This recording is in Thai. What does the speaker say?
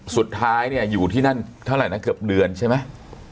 สุดท้ายเนี่ยอยู่ที่นั่นเท่าไหร่นะเกือบเดือนใช่ไหม